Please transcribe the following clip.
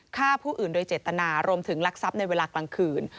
ฆ่าผู้อื่นโดยเจตนารวมถึงลักทรัพย์ในเวลากลางคืน